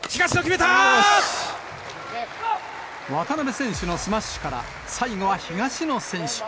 渡辺選手のスマッシュから、最後は東野選手。